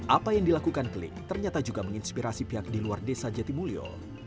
apa yang dilakukan klik ternyata juga menginspirasi pihak di luar desa jatimulyo